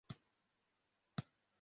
Imbwa yijimye yiruka mu nzira